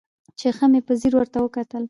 چې ښه مې په ځير ورته وکتل.